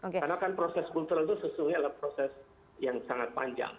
karena kan proses kultural itu sesungguhnya adalah proses yang sangat panjang